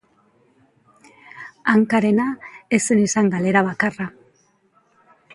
Hankarena ez zen izan galera bakarra.